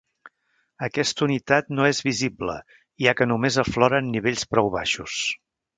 Aquesta unitat no és visible, ja que només aflora en nivells prou baixos.